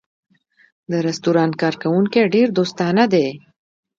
د رستورانت کارکوونکی ډېر دوستانه دی.